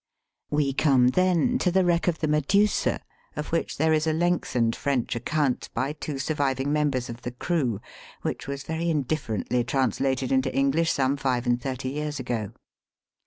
Hue then, to the wreck of the Medusa, of which there is a lengthened French account by two surviving members of the crew, which v/as very indifferently translated into English some five and thirty years ago.